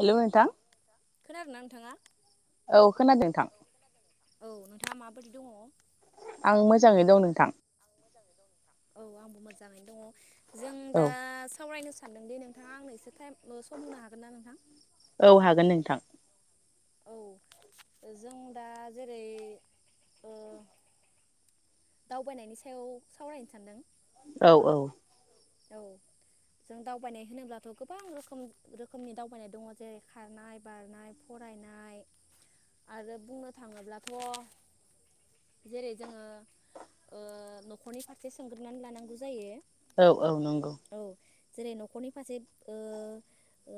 Hello आदा। खोनादों ना नोंथाङा? औ खोनादों नोंथां बेबायदि दंङ आं मोजाङै दं नोंथां आं मोजांयै दं नोंथां औ आंबो मोजांङैनो दंङ जों औ दा सावरायनो सानदों दे नोंथाङा आंनो एसे टाइमल सम होनो हागोन ना नोंथां औ हागोन नोंथां औ जों दा जेरै दावबायनायनि सायाव सावरायनो सानदों औ औ औ जों दावबायनाय होनोब्लाथ गोबां रोखोम रोखोमनि दावबायनाय दंङ जेरै खारनाय बारनाय फरायनाय आरो बुंनो थाङोब्लाथ जेरै जोंङो नखरनि फारसे सोंग्रोनानै लानांगौ जायो औ औ नंगौ औ जेरै नखरनि फारसे ओ ओ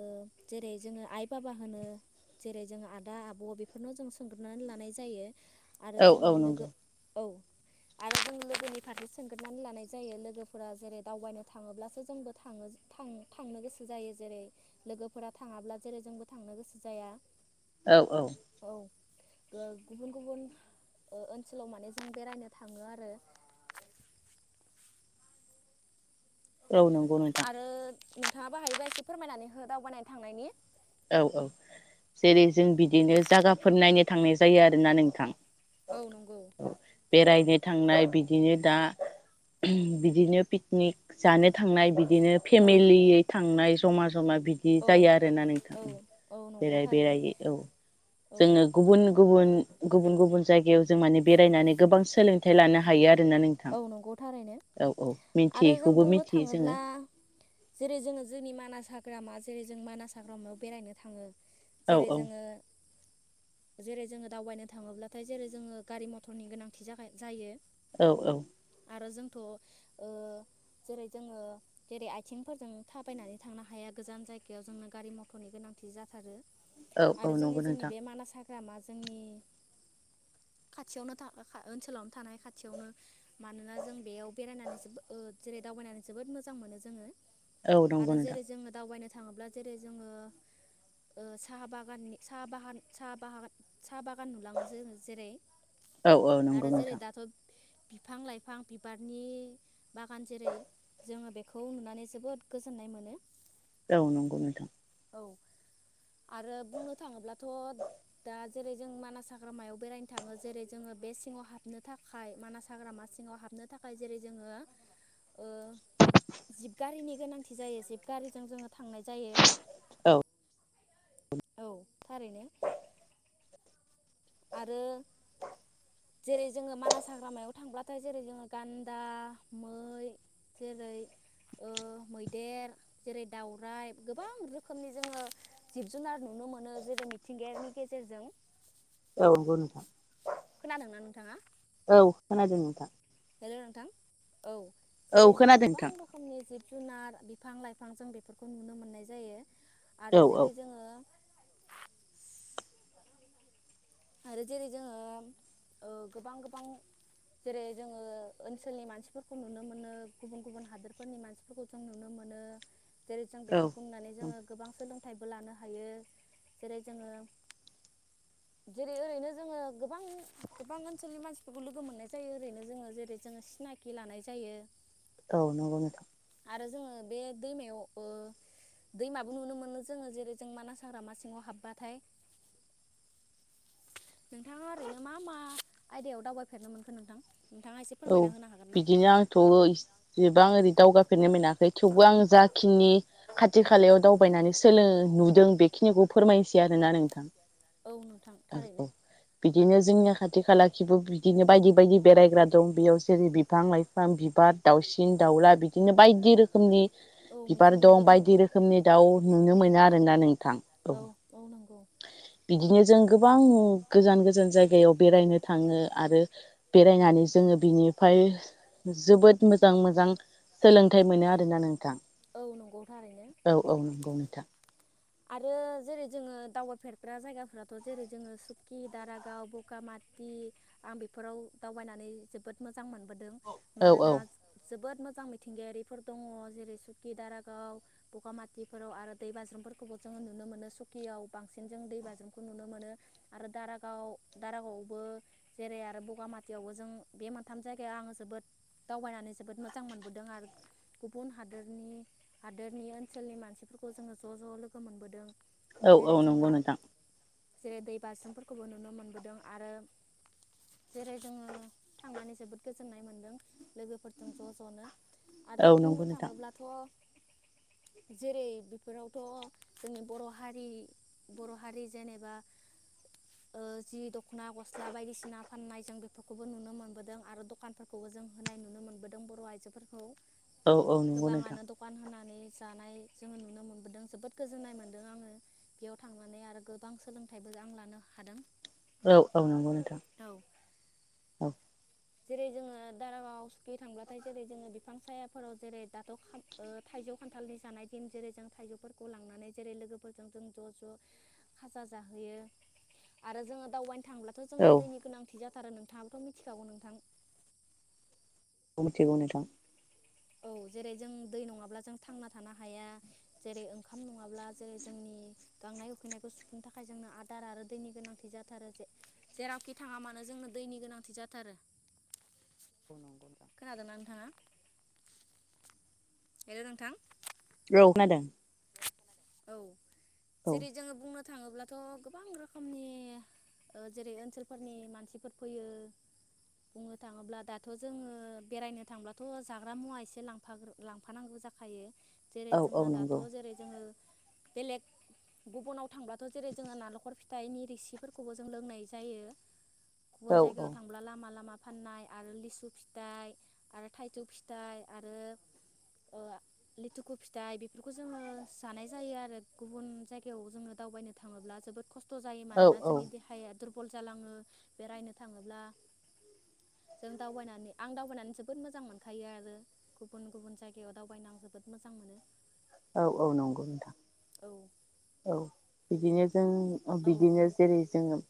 जेरै जोंङो आइ बाबा होनो जेरै जोङो आदा आब बेफोरनाव जों सोंग्रोनानै लानाय जायो आरो औ औ जोंङो लोगो नंगौ औ आरो जों लोगोनि फारसे सोंग्रोबनानै लानाय जायो लोगोफोरा जेरै दावबायनो थाङोब्लासो जोंबो थाङो थांनो गोसो जायो जेरै लोगोफोरा थाङाब्ला जेरै जोंबो थांनो गोसो जाया औ औ गुबुन गुबुन ओनसोलाव माने जों बेरायनो थाङो आरो औ नंगौ नोंथां आरो नोंथाङाबो हायोबा एसे फोरमायनानै हो दावबायनो थांनायनि औ औ जेरै जों बिदिनो जायगाफोर नायनो थांनाय जायो आरोना नोंथां औ नंगौ बेरायनो थांनाय बिदिनो दा बिदिनो पिकनिक जानो थांनाय बिदिनो औ फेमिलियै थांनाय जमा जमा बिदि औ जायो आरोना नोंथां औ औ नंगौ बेराय थारैनो बेरायै औ औ जोङो गुबुन गुबुन गुबुन गुबुन जायगायाव जों माने बेरायनानै गोबां सोलोंथाइ लानो हायो आरोना नोंथां औ नंगौ थारैनो औ औ आरो जों मिथियैखौबो बुंनो मिथियो जोङो थाङोब्ला जेरै जोङो जोंनि मानास हाग्रामा जेरै जों मानस हाग्रामायाव बेरायनो थाङो औ जेरै औ जोङो जेरै जोङो दावबायनो थाङोब्लाथाय जेरै जोङो गारि मथर मथर नि गोनांथि जायो औ औ आरो जोंथ' जेरै जोङो जेरै आथिंफोरजों थाबायनानै थांनो हाया गोजान जायगायाव जोंनो गारि मथरनि गोनांथि जाथारो औ आरो औ जोंनि नंगौ जोंनि नोंथां बे मानास हाग्रामा जोंनि खाथियावनो था ओनसोलावनो थानाय खाथियावनो मानोना जों बेयाव बेरायनानै जो जेरै दावबायनानै जोबोद मोजां मोनो जोङो औ नंगौ आरो नोंथां जेरै जोङो दावबायनो थाङोब्ला जेरै जोङो साहा बागाननि सा बागान सा ब साहा बागान नुलाङो जोङो जेरै औ औ नंगौ आरो जेरै नोंथां दाथ' बिफां लाइफां बिबारनि बागान जेरै जोङो बेखौ नुनानै जोबोद गोजोननाय मोनो औ नंगौ नोंथां औ आरो बुंनो थाङोब्लाथ' दा जेरै जों मानास हाग्रामायाव बेरायनो थाङो जेरै जोङो बे सिङाव हाबनो थाखाय मानास हाग्रामा सिङाव हाबनो थाखाय जेरै जोङो जिबगारिनि गोनांथि जायो जिबगारिजों जोङो थांनाय जायो औ औ थारैनो आरो जेरै जोङो मानास हाग्रामायाव थांब्लाथाय जेरै जोङो गान्दा मै जेरै मैदेर जेरै दउराइ गोबां रोखोमनि जोङो जिब जुनार नुनो मोनो जेरै मिथिंगायनि गेजेरजों औ नंगों नोंथां थाङा औ खोनादों नोंथां हेल' नोंथां औ औ जेरै जोंङो खोनादों गोबां नोंथां रोखोमनि जिब जुनार बिफां लाइफां जों बेफोरखौ नुनो मोननाय जायो। औ आरो औ जेरै जोङो आरो जेरै जोङो ओ ओ गोबां गोबां जेरै जोङो ओ ओनसोलनि मानसिफोरखौ नुनो मोनो गुबुन गुबुन हादोरफोरनि मानसिफोरखौ जों नुनो मोनो जेरै जों औ बेफोरखौ नुनानै जोङो गोबां सोलों फिथाइबो लानो हायो जेरै जोङो जेरै ओरैनो जोङो गोबां गोबां ओनसोलनि मानसिफोरखौ लोगो मोननाय जायो ओरैनो जोङो जेरै जोङो सिनाखि लानाय जायो औ नंगौ नोथां आरो जोङो बे दैमायाव दैमाबो नुनो मोनो जोङो जेरै जों मानास हाग्रा मा सिङाव हाबबाथाय नोंथाङा ओरैनो मा मा आयदायाव दावबायफेरनो मोनखो नोंथां नोंथाङा एसे औ फोरमायना होनो हागोन ना? बिदिनो आंथ' इसेबां ओरै दावगा मोनाखै थेवबो आं जाग खिनि खाथि खालायाव दावबायनानै सोलो नुदों बेखिनिखौ फोरमायनोसै आरो ना नोंथां औ नोंथां औ औ थारैनो बिदिनो जोंनि खाथि खाला खिब बि बिदिनो बायदि बायदि बेरायग्रा बेयाव जेरै बिफां लाइफां बिबार दाउसिन दाउला बिदिनो बायदि रोखोमनि औ बिबार मिथिंगायारि दं दङ। बायदि बिबार दं, रोखोमनि दाउ नुनो मोना आरोना नोंथां औ बिदिनो जों गोबां गोजान गोजान जायगायाव बेरायनो थाङो आरो बेरायनानै जोङो बिनिफ्राय जोबोद मोजां मोजां सोलोंथाइ मोनो आरोना नोंथां औ नंगौ थारैनो औ औ नंगौ नोंथां आरो जेरै जोङो दावबायफेरग्रा जायगाफोराथ' जेरै जोङो सुकि, दारागाव आरो बगामाथि आं बेफोराव दावबायनानै जोबोद मोजां मोजां मोनबोदों औ औ मानोना जोबोद मोजां मोजां मिथिंगायारिफोर दङ जेरै सुकि दारागाव बगामाथिफोराव आरो दैबाज्रुमफोरखौबो जोङो नुनो मोनो सुकियाव बांसिन जों दैबाज्रुमखौ नुनो मोनो नुनो मोनो आरो दारागाव दारागावआवबो जेरै आरो बगामाथियावबो जों बे मोनथाम जायगायाव आङो जोबोद दावबायनानै जोबोद मोजां मोनबोदों आरो गुबुन हादोरनि हादोरनि ओनसोलनि मानसिफोरखौ जोङो ज' ज' लोगो मोनबोदों। औ जेरै औ जोङो नंगौ नोंथां जेरै दै बाज्रुमफोरखौबो नुनो मोनबोदों आरो जेरै जोङो थांनानै जोबोद गोजोननाय मोनदों लोगोफोरजों ज' ज'नो आरो औ बुंनो नंगौ नोंथां थाङोब्लाथ जेरै बेफोरावथ जोंनि बर हारि बर हारि जेनेबा ओ जि दखना गस्ला बायदिसिना फाननाय जों बेफोरखौबो नुनो मोनबोदों आरो दखानफोरखौबो जों होनाय नुनो मोनबोदों बर आइजोफोरखौ औ औ नंगौ नोंथां नै जानाय जोङो नुनो मोनबोदों जोबोद गोजोन्नाय मोनदों आङो बेयाव थांनानै आरो गोबां सोलों फाथायबो आं लानो हादों औ औ नंगौ नोंथां औ औ जेरै जोङो दारागाव सुखि थांब्लाथाय जेरै जोङो बिफां सायाफोराव जेरै दाथ खान थाइजौ खान्थालनि जानाय दिन जेरै जों थाइजौफोरखौ लांनानै जेरै लोगोफोरजों जों ज ज खाजा जाहोयो आरो जोङो दावबायनो थांब्लाथ जोंनो औ दैनि गोनांथि जा था थारो नोंथाङाबोथ मिथिगागौ नों थां थिगौ नोंथां औ जेरै जों दै नङाब्ला जों थांना थानो हाया जेरै ओंखाम नङाब्ला जेरै जोंनि गांनाय उखैनायखौ सुफुंनो थाखाय जोंनो आदार आरो दैनि गोनांथि जाथारो जे जेरावखि थाङा मानो जोंनो दैनि गोनांथि जाथारो औ नंगौ नोंथां हेलौ नोंथां औ खोनादों। औ जेरै जोङो बुंनो थाङोब्लाथ गोबां रोखोमनि ओ जेरै ओनसोलफोरनि मानसिफोर फैयो बुंनो थाङोब्ला दाथ जोङो बेरायनो थांब्लाथ जाग्रा मुवा एसे लांफा लांफानांगौ जाखायो। जेरै औ औ जोङो दाथ' नंगौ जेरै जोङो बेलेग गुबनाव थांबाथ' जेरै जोङो नारेंखर फिथाइनि रिसिफोरखौबो जों लोंनाय जायो। औ गुबुन औ जायगायाव थांब्ला लामा लामा फाननाय आरो लिसु फिथाइ आरो थाइजौ फिथाइ आरो ओ लिथुखु फिथाइ बिफोरखौ जोङो जानाय जायो आरो गुबुन जायगायाव जोङो दावबायनो थाङोब्ला जोबोद खस्थ थ' जायो औ मानोना औ जोंनि देहाया दुर बल जालाङो बेरायनो थाङोब्ला जों दावबायनानै आं दावबायनानै जोबोद मोजां मोनखायो आरो गुबुन गुबुन जायगायाव दावबायनो आं जोबोद मोजां मोनो। औ औ नंगौ नोंथां। उ औ बिदिनो जों अ औ बिदिनो नंगौ जेरै जोङो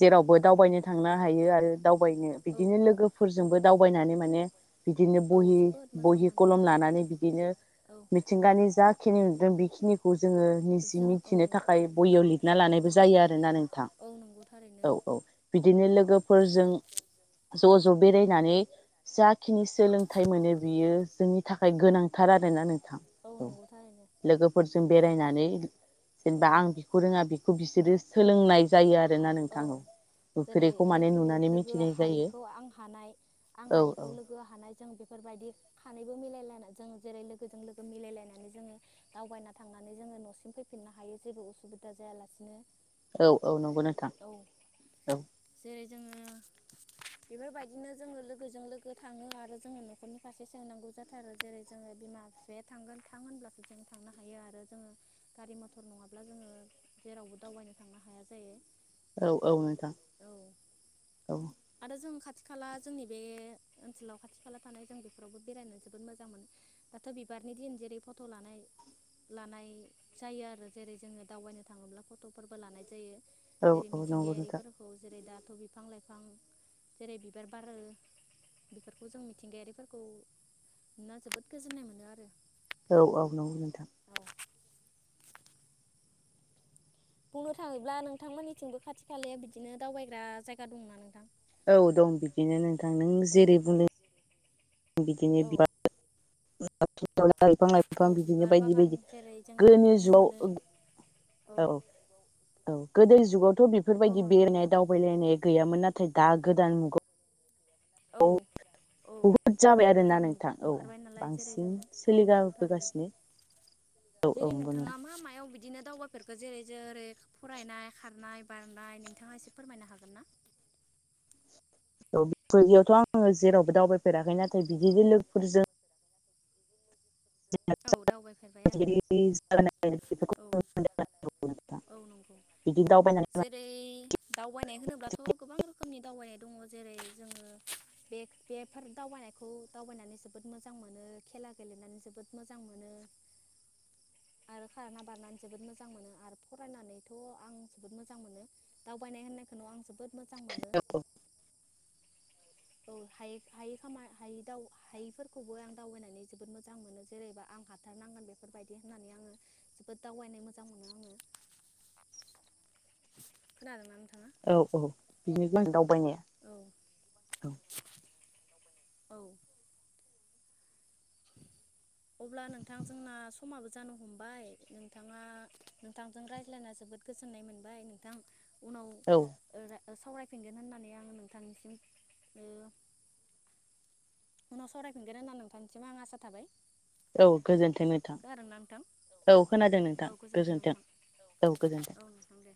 जेरावबो दावबायनो थांनो हायो आरो दावबायनो औ बिदिनो लोगोफोरजोंबो दावबायनानै माने बिदिनो औ बहि जोबोद मोजां बहि मोनो कलम औ लानानै बिदिनो औ मिथिंगानि जाखिनि नुदों बिखिनिखौ जोङो निसि दि जों औ मिथिनो थाखाय बहियाव लिरना औ लानायबो जायो आरोना नोंथां औ नंगौ थारैनो औ औ बिदिनो लोगोफोरजों ज ज बेरायनानै जाखिनि सोलोंथाइ मोनो बियो जोंनि थाखाय गोनां थार आरो ना नों थां औ नंगौ थारैनो लोगोफोरजों बेरायनानै जेनेबा आं बिखौ रोङा बेखौ बिसोरो सोलोंनाय जायो आरो ना नोंथां औ जेरै नुफेरैखौ माने लोगो नुनानै लोगो मिथिनाय जायो हायिखौ आं हानाय आं औ औ। हायिखौ लोगो हानाय जों बिफोरबायदि खानैबो मिलायलायना जों जेरै लोगोजों लोगो जों मिलायलायनानै जोङो दावबायना थांनानै जोङो नसिम फैफिननो हायो जेबो उसुबिदा जायालासिनो। औ औ नंगौ नोंथां औ औ। जेरै जोङो बेफोरबायदिनो जोङो लोगोजों लोगो थाङो आरो जोङो नखरनि फारसे सोंनांगौ जाथारो जेरै जोङो बिमा दे थांगोन थां होनब्लासो जों थांनो हायो आरो जोङो गारि मथर नङाब्ला जोङो जेरावबो दावबायनो थांनो हाया जायो। औ औ नोंथां औ औ। आरो जों खाथि खाला जोंनि बे ओनसोलाव खाथि खाला थानाय जों बेफोरावबो बेरायनो जोबोद मोजां मोनो थ' बिबारनि दिन जेरै फट लानाय‌ लानाय जायो आरो जेरै जोङो दावबायनो थाङोब्ला फटफोरबो लानाय जायो। औ जेरै औ नंगौ नोंथां मिथिंगायारिफोरखौ जेरै दा थ बिफां लाइफां जेरै बिबार बारो बिफोरखौ जों मिथिंगायारिफोरखौ नुना जोबोद गोजोननाय मोनो। मोनो आरो। औ औ नंगौ नोंथां। औ बुंनो थाङोब्ला नोंथांमोननिथिंबो खाथि खालाया बिदिनो दावबायग्रा जायगा दंना नोंथां? औ दं बिदिनो नोंथां नों औ जेरै बुंदों बिदिनो औ बिराद बिफां औ लाइफां बिदिनो बिबार बायदि बागान बायदि जेरै जोङो गोदोनि नुनो जुगाव मोनो औ औ गोदोनि जुगाव थ' बेफोर औ बायदि नोंथां बुं बेरायनाय दावबायलायनाय गैयामोन नाथाय दा गोदान औ औ बहुद जाबाय आरो ना गोदान नोंथां औ ओंखारबाय नालाय जेरै बांसिन जोङो औ नंगौ थारैनो सोलिबोगासिनो औ औ नंगौ नोंथां। दावबायफोरखो जेरै जों फरायनाय खारनाय। बारनाय नोंथाङा एसे फोरमायनो हागोन ना? [unintelligible] आङो जेरावबो दावबाय फेराखै नाथाय बिदिनो लोगोफोरजों औ दावबायफेरबाय आरो [unintelligible] औ नंगौ बिदि दावबाय जेरै दावबायनाय होनोब्लाथ' गोबां [unintelligible] रोखोमनि दावबायनाय दङ जेरै जोङो बे बेफोर दावबायनायखौ दावबायनानै जोबोद मोजां मोनो खेला गेलेनानै जोबोद मोजां मोनो आरो खारना बारनानै जोबोद मोजां मोनो आरो फरायनानै थ' आं जोबोद मोजां मोनो दावबायनाय होननायखौनो आं जोबोद मोजां मोनो। औ हाय हायै खाम हाय हायिफोरखौबो आं दावबायनानै जोबोद मोजां मोनो जेरैबा आं हाथारनांगोन बेफोर बायदि होननानै आङो जोबोद दावबायनो मोजां मोनो आङो। खोनादों ना नोंथाङा? औ औ बिनि औ [unintelligible] [unintelligible] औ औ। अब्ला नोंथां जोंना समाबो जानो हमबाय। नोंथाङा नोंथांजों रायज्लायना जोबोद गोजोननाय मोनबाय नोंथां। उनाव औ ओ राय सावरायफिनगोन होननानै नोंथांनिसिम ओ उनाव सावरायफिनगोन होननानै नोंथां सिम आं आसा थाबाय। औ गोजोनथों नोंथां। खोनादोंना नोंथां औ खोनादों नोंथां। औ गोजोन्थों गोजोनथों नोंथां औ गोजोनथों। नोंथां दे।